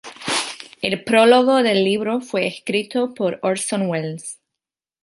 El prólogo del libro fue escrito por Orson Welles.